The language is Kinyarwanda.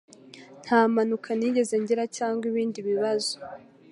Nta mpanuka nigeze ngira cyangwa ibindi bibazo